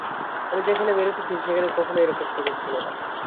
আমি যেখানে বেড়ে উঠেছি সেখানে কখনোই এরকম সুযোগ ছিলনা।